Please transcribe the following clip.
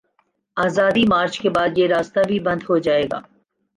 آزادی مارچ کے بعد، یہ راستہ بھی بند ہو جائے گا۔